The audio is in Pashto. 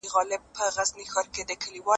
آيا په ټولنه کي عدالت سته؟